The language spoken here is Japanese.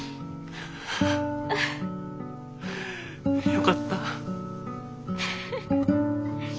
よかった。